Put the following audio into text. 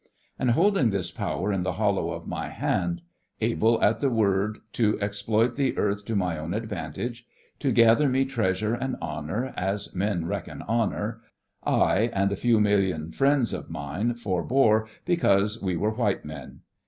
And holding this power in the hollow of my hand; able at the word to exploit the earth to my own advantage; to gather me treasure and honour, as men reckon honour, I (and a few million friends of mine) forbore because we were white men.